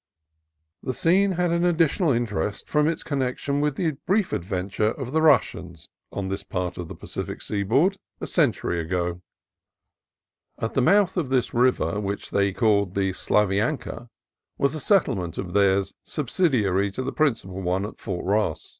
The scene had an additional interest from its connection with the brief adventure of the Russians on this part of the Pacific seaboard, a century ago. •■ RUSSIAN RIVER 259 At the mouth of this river, which they called the Slavianka, was a settlement of theirs subsidiary to the principal one at Fort Ross.